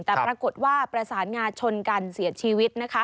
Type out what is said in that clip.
แต่ปรากฏว่าประสานงาชนกันเสียชีวิตนะคะ